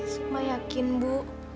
sukma yakin bu